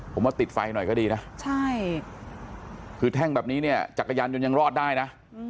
ผมว่าติดไฟหน่อยก็ดีนะใช่คือแท่งแบบนี้เนี่ยจักรยานยนต์ยังรอดได้นะ